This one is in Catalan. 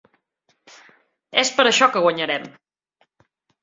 És per això que guanyarem!